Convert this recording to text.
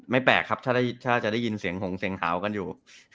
แปลกครับถ้าจะได้ยินเสียงหงเสียงหาวกันอยู่